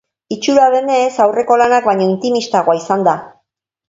Itxura denez, aurreko lanak baino intimistagoa izango da.